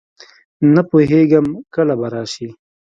نه پوهېږم کله به راشي.